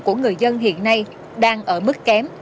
của người dân hiện nay đang ở mức kém